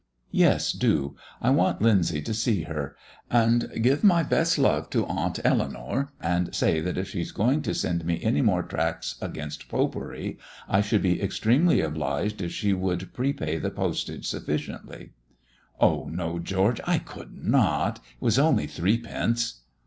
"Yes, do; I want Lyndsay to see her. And give my best love to Aunt Eleanour, and say that if she is going to send me any more tracts against Popery, I should be extremely obliged if she would prepay the postage sufficiently." "Oh no, George, I could not. It was only threepence."